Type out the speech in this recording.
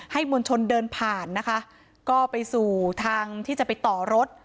มวลชนเดินผ่านนะคะก็ไปสู่ทางที่จะไปต่อรถ